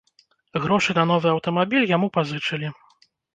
Грошы на новы аўтамабіль яму пазычылі.